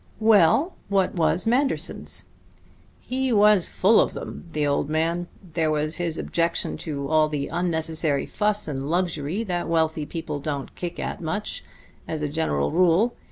"Well, what was Manderson's?" "He was full of them the old man. There was his objection to all the unnecessary fuss and luxury that wealthy people don't kick at much, as a general rule.